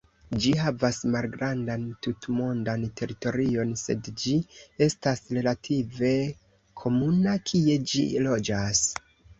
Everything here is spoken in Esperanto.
Ĝi havas malgrandan tutmondan teritorion sed ĝi estas relative komuna kie ĝi loĝas.